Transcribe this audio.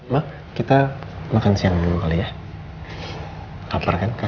mama benci sekali sama kamu